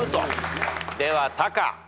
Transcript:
ではタカ。